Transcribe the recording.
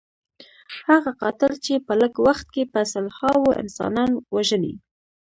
هغه قاتل چې په لږ وخت کې په سلهاوو انسانان وژني.